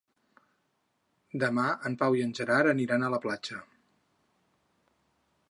Demà en Pau i en Gerard aniran a la platja.